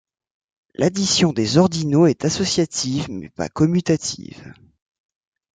L'addition des ordinaux est associative mais pas commutative.